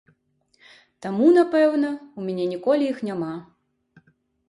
Таму, напэўна, ў мяне ніколі іх няма.